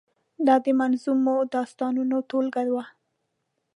دا د منظومو داستانو ټولګه وه.